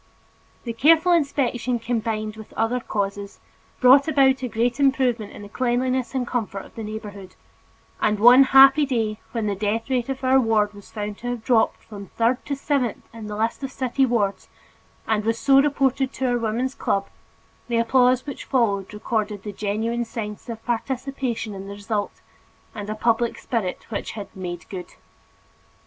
The careful inspection combined with other causes, brought about a great improvement in the cleanliness and comfort of the neighborhood and one happy day, when the death rate of our ward was found to have dropped from third to seventh in the list of city wards and was so reported to our Woman's Club, the applause which followed recorded the genuine sense of participation in the result, and a public spirit which had "made good."